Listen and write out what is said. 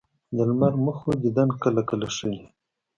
د لمر مخو دیدن کله کله ښه وي